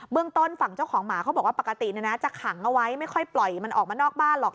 เรื่องต้นฝั่งเจ้าของหมาเขาบอกว่าปกติจะขังเอาไว้ไม่ค่อยปล่อยมันออกมานอกบ้านหรอก